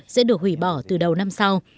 sẽ được hủy bỏ từ đầu năm sau